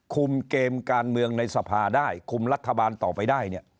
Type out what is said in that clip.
คุมเกมการเมืองในสภาได้คุมรัฐบาลต่อไปได้เนี่ย